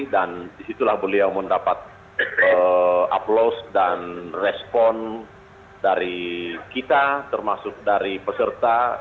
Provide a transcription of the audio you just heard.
dan disitulah beliau mendapat aplaus dan respon dari kita termasuk dari peserta